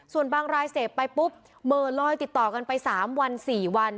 ส่วนบางรายเสพไปปุ๊บเหม่อลอยติดต่อกันไป๓วัน๔วัน